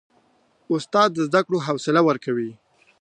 استاد د زده کړو حوصله ورکوي.